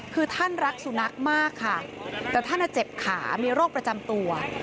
คือท่านรักสุนัขมากค่ะแต่ท่านเจ็บขามีโรคประจำตัว